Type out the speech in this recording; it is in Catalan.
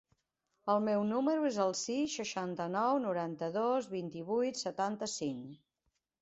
El meu número es el sis, seixanta-nou, noranta-dos, vint-i-vuit, setanta-cinc.